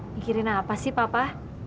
pikirin apa sih papa